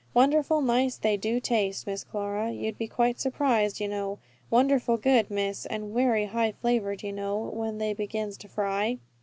"Wonderful nice they do taste, Miss Clara; you'd be quite surprised, you know. Wonderful good, Miss, and werry high flavoured you know, when they begins to fry."